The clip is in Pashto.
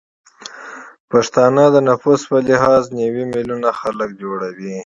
پښتانه د نفوس به لحاظ نوې میلیونه خلک جوړوي